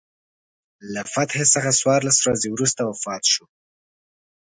له فتحې څخه څوارلس ورځې وروسته وفات شو.